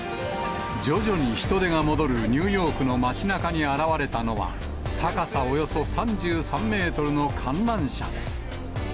徐々に人出が戻るニューヨークの街なかに現れたのは、高さおよそ３３メートルの観覧車です。